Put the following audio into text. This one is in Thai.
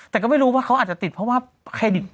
แต่ก็ไม่รู้ว่าเขาอาจจะติดเพราะว่าเครดิต